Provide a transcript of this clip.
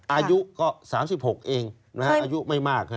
อายุก็๓๖เองอายุไม่มาก